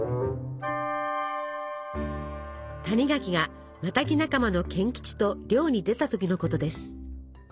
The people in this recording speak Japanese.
谷垣がマタギ仲間の賢吉と猟に出た時のことです。